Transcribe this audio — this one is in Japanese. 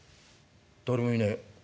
誰もいねえ。